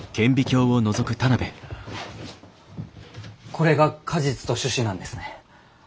これが果実と種子なんですね。